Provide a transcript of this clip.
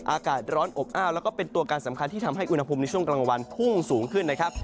อากาศร้อนอบอ้าวแล้วก็เป็นตัวการสำคัญที่ทำให้อุณหภูมิในช่วงกลางวันพุ่งสูงขึ้นนะครับ